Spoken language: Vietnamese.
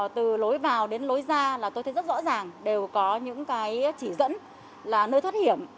từ lối vào đến lối ra là tôi thấy rất rõ ràng đều có những cái chỉ dẫn là nơi thoát hiểm